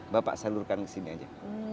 bapak salurkan ke sini aja